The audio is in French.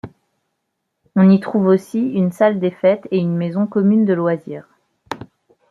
On y trouve aussi une salle des fêtes et une maison commune de loisirs.